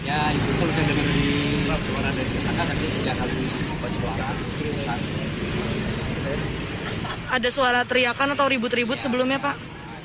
ada suara teriakan atau ribut ribut sebelumnya pak